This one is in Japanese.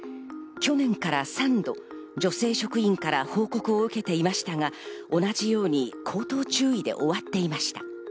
去年から３度、女性職員から報告を受けていましたが、同じように口頭注意で終わっていました。